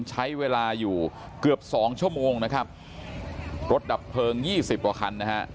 ใช้เวลาอยู่เกือบสองชั่วโมงนะครับรถดับเพลิงยี่สิบกว่าคันนะฮะ